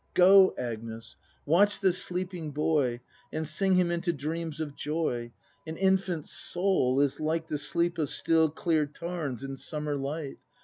Go, Agnes, watch the sleeping boy. And sing him into dreams of joy. An infant's soul is like the sleep Of still clear tarns in summer light.